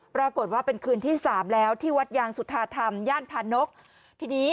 ปรากฏว่าเป็นคืนที่สามแล้วที่วัดยางสุธาธรรมย่านพานกทีนี้